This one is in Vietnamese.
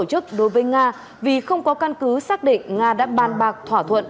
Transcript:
tổ chức đối với nga vì không có căn cứ xác định nga đã ban bạc thỏa thuận